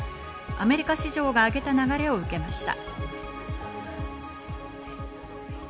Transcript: アメリカ市場が開けた流れを受けました。